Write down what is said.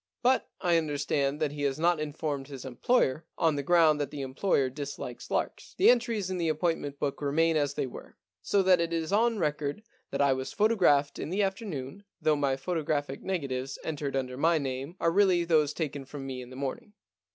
But I understand that he has not informed his employer, on the ground that the employer dislikes larks. The entries in the appointment book remain as they were. So that it is on record that I was photographed in the afternoon, though the photographic negatives entered under my name are really those taken from me in the morning.